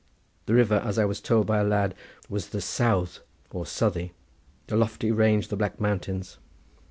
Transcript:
The river, as I was told by a lad, was the Sawdde or Southey, the lofty range the Black Mountains.